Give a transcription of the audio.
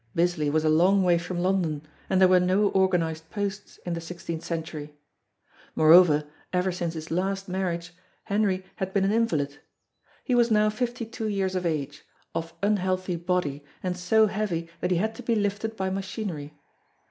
Bisley was a long way from London, and there were no organised posts in the sixteenth century. Moreover, ever since his last marriage, Henry had been an invalid. He was now fifty two years of age, of unhealthy body, and so heavy that he had to be lifted by machinery.